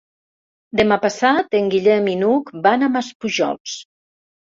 Demà passat en Guillem i n'Hug van a Maspujols.